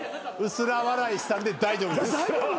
薄ら笑いしたんで大丈夫です。